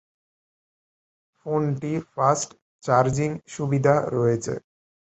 ফোনটি fast charging সুবিধা রয়েছে।